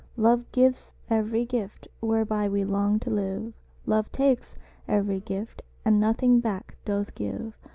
Love gives every gift whereby we long to live "Love takes every gift, and nothing back doth give."